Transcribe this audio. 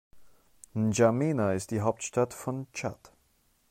N’Djamena ist die Hauptstadt von Tschad.